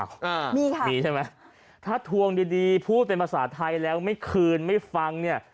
อ่ามีค่ะมีใช่ไหมถ้าทวงดีดีพูดเป็นภาษาไทยแล้วไม่คืนไม่ฟังเนี่ย